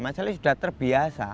masalahnya sudah terbiasa